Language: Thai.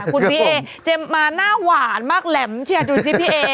คุณพี่เอเจมมาหน้าหวานมากแหลมเชียร์ดูสิพี่เอ